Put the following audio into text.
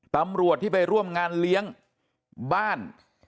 ตำรวจที่ไปร่วมงานเลี้ยงบ้าน